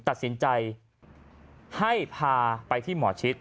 ตัดสินใจให้พาไปที่หมอชิด